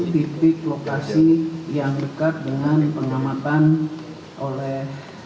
titik lokasi yang dekat dengan pengamatan oleh